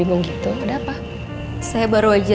aku belum pulang rashid presidente